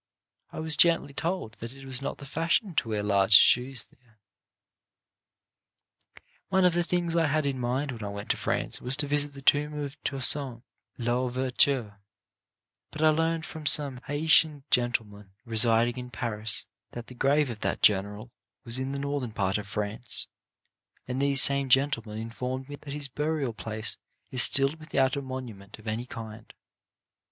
I was gently told that it was not the fashion to wear large shoes there. One of the things I had in mind when I went to France was to visit the tomb of Toussaint L'Ou EUROPEAN IMPRESSIONS 77 verture, but I learned from some Haitian gentle men residing in Paris that the grave of that gen eral was in the northern part of France, and these same gentlemen informed me that his burial place is still without a monument of any kind.